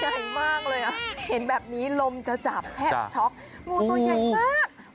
ใหญ่มากเลยอ่ะเห็นแบบนี้ลมจะจับแทบช็อกงูตัวใหญ่มาก